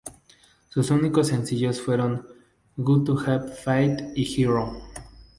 Sus únicos sencillos fueron ""Got to Have Faith"" y ""Hero"".